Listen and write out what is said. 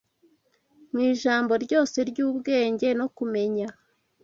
Mu ijambo ryose ry’ubwenge no kumenya,